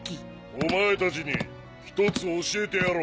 お前たちに一つ教えてやろう。